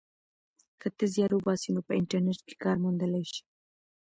که ته زیار وباسې نو په انټرنیټ کې کار موندلی سې.